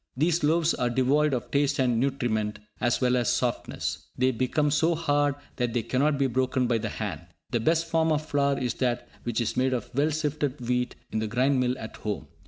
These loaves are devoid of taste and nutriment, as well as of softness. They become so hard that they cannot be broken by the hand. _The best form of flour is that which is made of well sifted wheat in the grind mill at home.